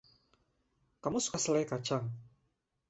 Kamu suka selai kacang?